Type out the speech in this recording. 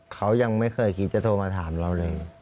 เขายังไม่เคยคิดจะโทรมาถามเราเลย